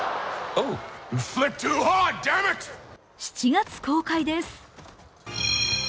７月公開です。